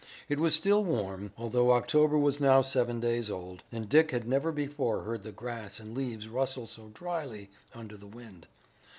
It was still warm, although October was now seven days old, and Dick had never before heard the grass and leaves rustle so dryly under the wind.